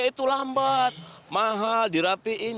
itu lambat mahal dirapiin